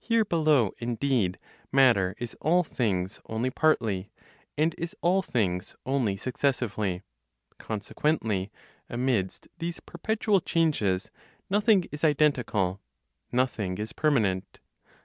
Here below, indeed, matter is all things only partly, and is all things only successively; consequently, amidst these perpetual changes nothing is identical, nothing is permanent.